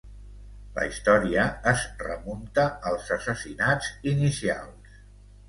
La història es remunta als assassinats inicials.